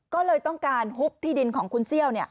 ก็เลยต้องการหุบที่ดินของคุณเซี่ยว